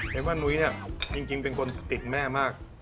เห็นว่านุ้ยเนี่ยจริงเป็นคนติดแม่มาก